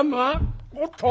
「おっと。